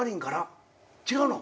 違うの？